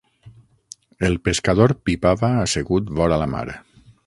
El pescador pipava assegut vora la mar.